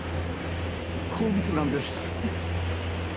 好物なんです。